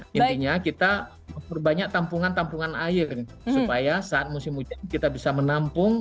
jadi kita sudah banyak tampungan tampungan air supaya saat musim hujan kita bisa menampung